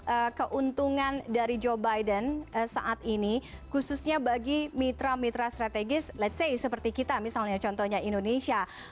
yang menurut anda keuntungan dari joe biden saat ini khususnya bagi mitra mitra strategis seperti kita misalnya contohnya indonesia